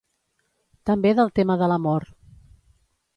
També del tema de l'amor.